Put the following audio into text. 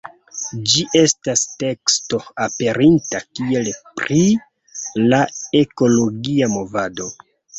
Ĝi estas teksto aperinta kiel “Pri la ekologia movado.